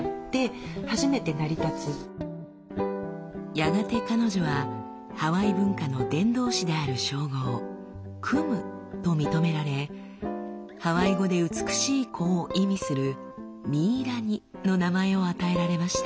やがて彼女はハワイ文化の伝道師である称号「クム」と認められハワイ語で「美しい子」を意味する「ミイラニ」の名前を与えられました。